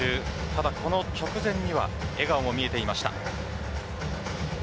ただこの直前には笑顔も見えていました。